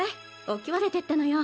置き忘れてったのよ。